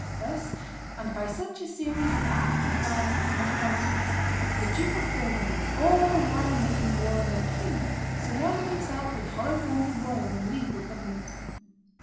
Thus, and by such a series of acts of violence and of falsehoods, the Duke of Burgundy, all the while making war on the king, surrounded himself with hollow forms of royal and legal government.